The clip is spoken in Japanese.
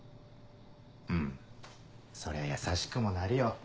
うんそりゃ優しくもなるよ